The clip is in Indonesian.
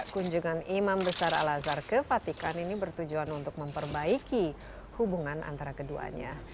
kunjungan imam besar al azhar ke fatikan ini bertujuan untuk memperbaiki hubungan antara keduanya